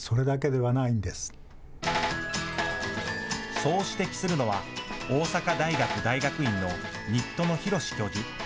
そう指摘するのは大阪大学大学院の入戸野宏教授。